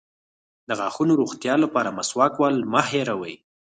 د غاښونو د روغتیا لپاره مسواک وهل مه هیروئ